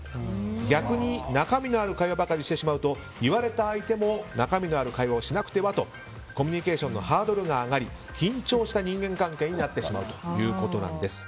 逆に中身のある会話ばかりしてしまうと、言われた相手も中身のある会話をしなくてはとコミュニケーションのハードルが上がり、緊張した人間関係になってしまうということです。